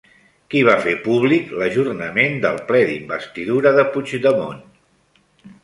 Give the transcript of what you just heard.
Qui va fer públic l'ajornament del ple d'investidura de Puigdemont?